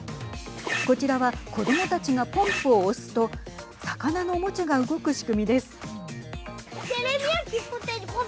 こちらは子どもたちがポンプを押すと魚のおもちゃが動く仕組みです。